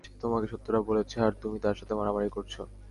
সে তোমাকে সত্যটা বলেছে আর তুমি তার সাথে মারামারি করছো।